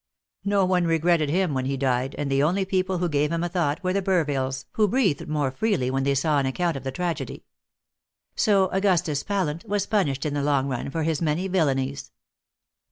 No one regretted him when he died, and the only people who gave him a thought were the Burvilles, who breathed more freely when they saw an account of the tragedy. So Augustus Pallant was punished in the long run for his many villainies.